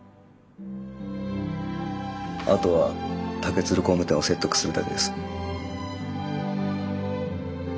あとは竹鶴工務店を説得するだけです。